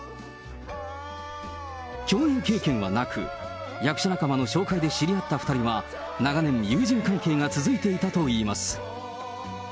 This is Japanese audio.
共演経験はなく、役者仲間の紹介で知り合った２人は、長年、友人関係が続いていたといいます。